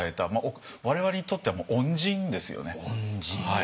我々にとってはもう恩人ですよね。